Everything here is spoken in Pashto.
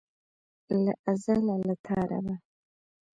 له ازله له تا ربه.